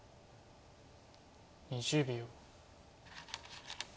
２０秒。